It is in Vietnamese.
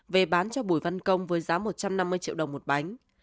về bán cho bùi văn công với giá một trăm năm mươi triệu đồng một bánh